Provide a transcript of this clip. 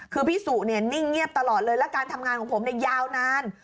คือพี่สุเนี่ยนิ่งเงียบตลอดเลยและการทำงานของผมเนี่ยยาวนาน